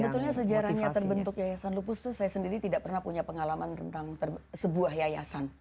sebetulnya sejarahnya terbentuk yayasan lupus itu saya sendiri tidak pernah punya pengalaman tentang sebuah yayasan